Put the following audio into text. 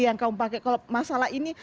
yang kamu pakai kalau masalah ini